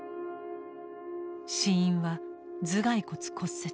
死因は「頭蓋骨骨折」。